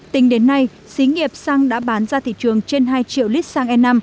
tính đến nay xí nghiệp xăng đã bán ra thị trường trên hai triệu lít xăng e năm